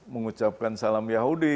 mengucapkan salam yahudi